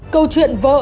câu chuyện vợ